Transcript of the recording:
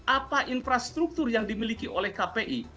apa infrastruktur yang dimiliki oleh kpi